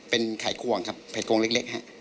เป็นไข่ควงครับไข่กวงเล็กฮะ